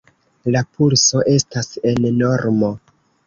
La pulso estas en normo.